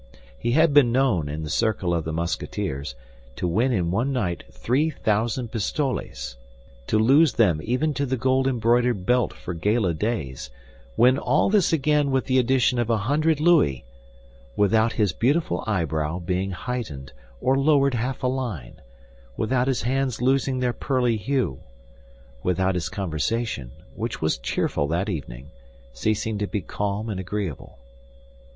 He had been known, in the circle of the Musketeers, to win in one night three thousand pistoles; to lose them even to the gold embroidered belt for gala days, win all this again with the addition of a hundred louis, without his beautiful eyebrow being heightened or lowered half a line, without his hands losing their pearly hue, without his conversation, which was cheerful that evening, ceasing to be calm and agreeable.